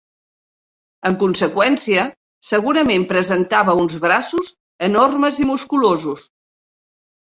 En conseqüència, segurament presentava uns braços enormes i musculosos.